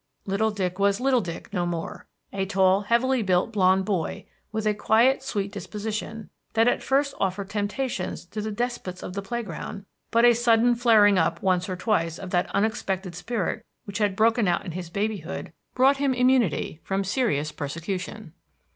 Little Dick was little Dick no more: a tall, heavily built blond boy, with a quiet, sweet disposition, that at first offered temptations to the despots of the playground; but a sudden flaring up once or twice of that unexpected spirit which had broken out in his babyhood brought him immunity from serious persecution.